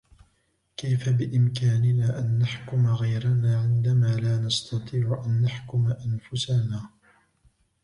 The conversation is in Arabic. كيف بإمكاننا أن نحكم غيرنا عندما لا نستطيع أن نحكم أنفسنا ؟